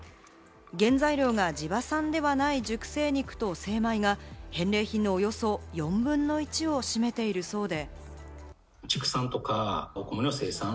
原材料が地場産ではない熟成肉と精米が返礼品のおよそ４分の１を占めているそうで。